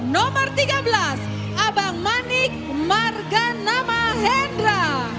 nomor tiga belas abang manik marganama hendra